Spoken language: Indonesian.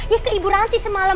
ya ke ibu ranti semalam